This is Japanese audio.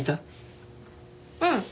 うん。